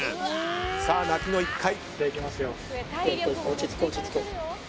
さあ泣きの一回。